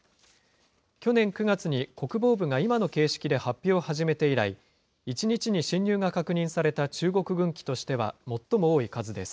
去年９月に国防部が今の形式で発表を始めて以来、１日に進入が確認された中国軍機としては最も多い数です。